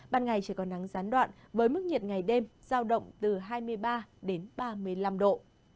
ban ngày chỉ còn nắng gián đoạn với mức nhiệt ngày đêm giao động từ hai mươi ba đến ba mươi năm độ